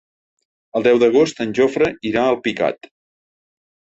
El deu d'agost en Jofre irà a Alpicat.